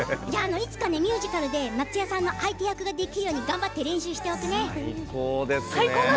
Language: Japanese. いつか、ミュージカルで松也さんの相手役ができるように頑張って練習しておくね。